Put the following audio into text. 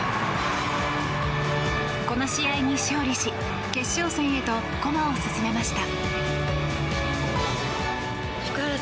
この試合に勝利し決勝戦へと駒を進めました。